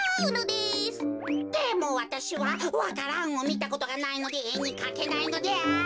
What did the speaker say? でもわたしはわか蘭をみたことがないのでえにかけないのである。